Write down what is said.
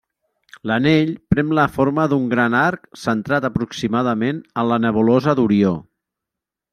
L'anell pren la forma d'un gran arc centrat aproximadament en la nebulosa d'Orió.